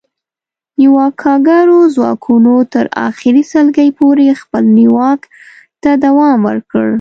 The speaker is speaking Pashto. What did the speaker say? نیواکګرو ځواکونو تر اخري سلګۍ پورې خپل نیواک ته دوام ورکړ